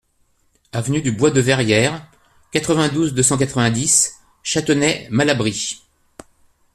Avenue du Bois de Verrières, quatre-vingt-douze, deux cent quatre-vingt-dix Châtenay-Malabry